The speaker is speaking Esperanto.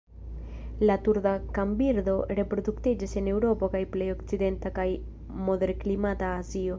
La Turda kanbirdo reproduktiĝas en Eŭropo kaj plej okcidenta kaj moderklimata Azio.